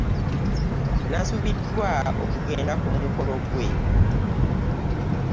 Nasubidwa okugenda ku mukolo gwe.